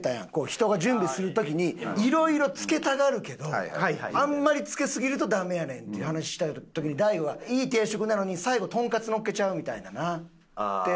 「人が準備する時にいろいろ着けたがるけどあんまり着けすぎるとダメやねん」っていう話した時に大悟が「いい定食なのに最後トンカツのっけちゃうみたいなな」って。